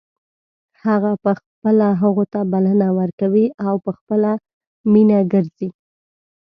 هغه په خپله هغو ته بلنه ورکوي او په خپله مینه ګرځي.